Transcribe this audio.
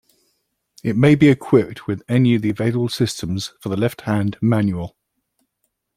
It may be equipped with any of the available systems for the left-hand manual.